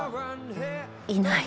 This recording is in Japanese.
いない？